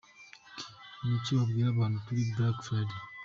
Q: Niki wabwira abantu kuri black Friday?.